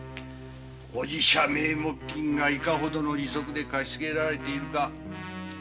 お寺社名目金がいかほどの利息で貸し付けられているか